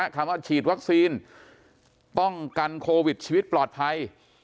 คำว่าฉีดวัคซีนป้องกันโควิดชีวิตปลอดภัย